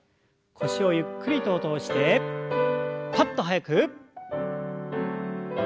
腰をゆっくりと落としてパッと速く。